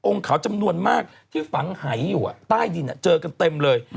เขาจำนวนมากที่ฝังหายอยู่ใต้ดินเจอกันเต็มเลย